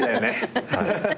ハハハ！